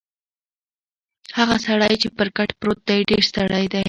هغه سړی چې پر کټ پروت دی ډېر ستړی دی.